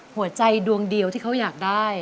ดวงใจดวงเดียวที่เขาอยากได้